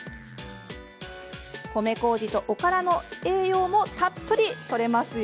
米こうじとおからの栄養もたっぷりとれますよ。